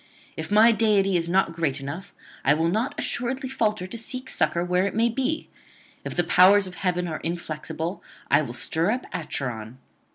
If my deity is not great enough, I will not assuredly falter to seek succour where it may be; if the powers of heaven are inflexible, I will stir up Acheron.